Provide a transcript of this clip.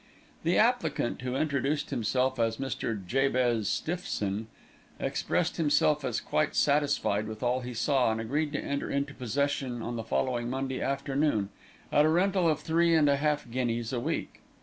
The applicant, who introduced himself as Mr. Jabez Stiffson, expressed himself as quite satisfied with all he saw, and agreed to enter into possession on the following Monday afternoon, at a rental of three and a half guineas a week.